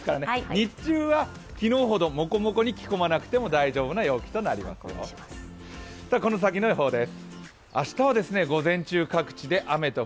日中は昨日ほどもこもこに着込まなくても大丈夫な予報となりそうです。